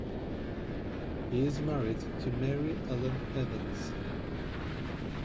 He is married to Mary Ellen Evans.